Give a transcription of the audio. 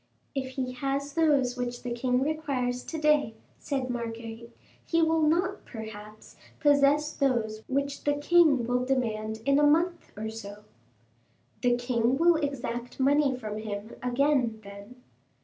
"If he has those which the king requires to day," said Marguerite, "he will not, perhaps, possess those which the king will demand in a month or so." "The king will exact money from him again, then?"